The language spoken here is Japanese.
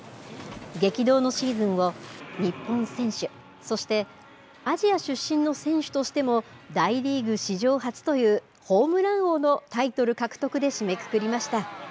激動のシーズンを日本選手、そして、アジア出身の選手としても、大リーグ史上初というホームラン王のタイトル獲得で締めくくりました。